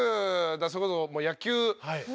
それこそ野球選手。